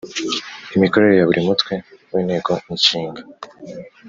Imikorere ya buri mutwe w inteko ishinga